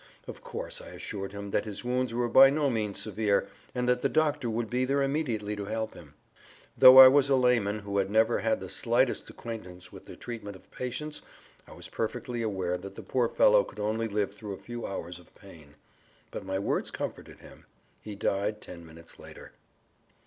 Of course, I assured him that his wounds were by no means severe and that the doctor would be there immediately to help him. Though I was a layman who had never had the slightest acquaintance with the treatment of patients I was perfectly aware that the poor fellow could only live[Pg 54] through a few hours of pain. But my words comforted him. He died ten minutes later.